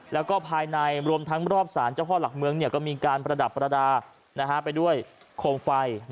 แล้วก็ภายในรวมทั้งรอบสารเจ้าพ่อหลักเมืองก็มีการประดับประดาษไปด้วยโคมไฟ